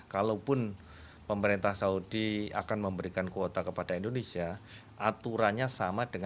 kalaupun pemerintah saudi akan memberikan kuota kepada indonesia aturannya sama dengan